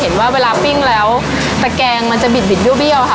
เห็นว่าเวลาปิ้งแล้วตะแกงเนี่ยมันจะบิดแบี่วค่ะ